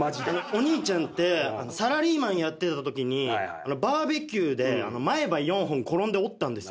お兄ちゃんってサラリーマンやってたときにバーベキューで前歯４本転んで折ったんですよ。